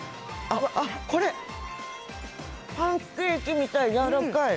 これ、パンケーキみたいにやわらかい。